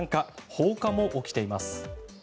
放火も起きています。